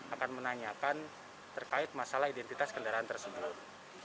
akan menanyakan terkait masalah identitas kendaraan tersebut